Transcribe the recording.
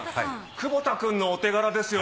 久保田くんのお手柄ですよ